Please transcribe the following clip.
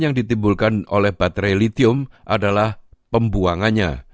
yang ditimbulkan oleh baterai litium adalah pembuangannya